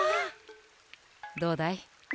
どうだい？